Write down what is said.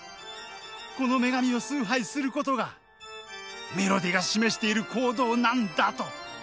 この女神を崇拝することがメロディーが示している行動なんだと。